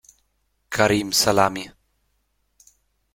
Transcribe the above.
Kareem Salami.